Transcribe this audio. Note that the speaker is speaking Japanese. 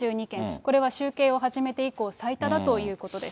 これは集計を始めて以降、最多だということです。